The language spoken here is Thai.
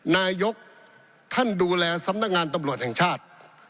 นายกท่านดูแลสำนักงานตำรวจแห่งชาติ